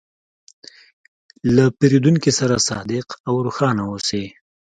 له پیرودونکي سره صادق او روښانه اوسې.